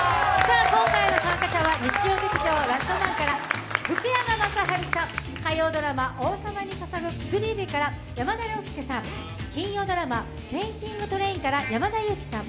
今回の参加者は日曜劇場「ラストマン」から福山雅治さん、火曜ドラマ「王様に捧ぐ薬指」から山田涼介さん、金曜ドラマ「ペンディングトレイン」から山田裕貴さん。